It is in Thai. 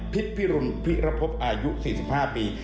พิษพิรุนพิระพบอายุ๔๕ปี